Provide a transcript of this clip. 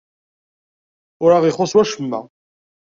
Ur aɣ-ixuṣṣ wacemma.